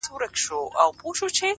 څښل مو تويول مو شرابونه د جلال،